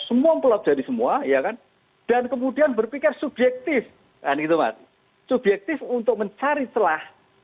semua mempelajari semua ya kan dan kemudian berpikir subjektif kan gitu mas subjektif untuk mencari celah